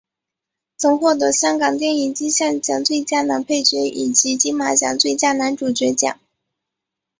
曾获得香港电影金像奖最佳男配角以及金马奖最佳男主角奖。